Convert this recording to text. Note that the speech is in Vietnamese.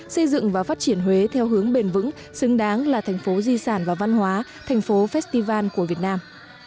xây dựng và phát triển huế theo hướng bền vững xứng đáng là thành phố di sản và văn hóa thành phố festival của việt nam